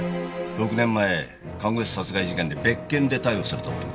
６年前看護師殺害事件で別件で逮捕された男です。